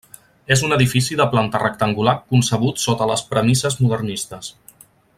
És un edifici de planta rectangular concebut sota les premisses modernistes.